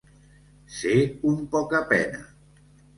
Ser un pocapena.